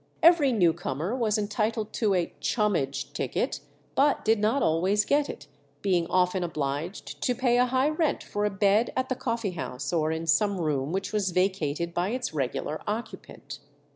Every new comer was entitled to a "chummage" ticket, but did not always get it, being often obliged to pay a high rent for a bed at the coffee house or in some room which was vacated by its regular occupant.